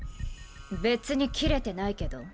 別にキレてないけど。